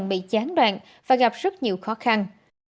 các rối loạn tâm thần bị chán đoạn và gặp rất nhiều khó khăn